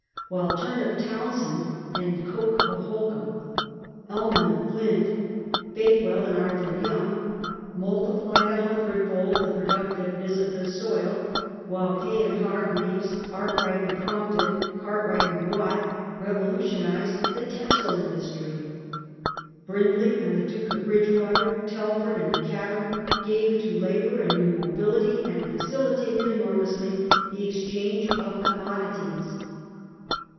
While Turnip " Towns hend and Coke of Holkham, Ellmann of Glynde, Bakewell and Ai thur Young multiplied a hundred fold the productiveness of the soil ; while Kay and Hargreaves, Arkwright and Crompton, Cart wright and Watt, revolutionized the textile industry ; Brindley and the Duke of Bridge water, Telford and Macadam, gave to labour a new mobility and facilitated enormously the exchange of commod ities.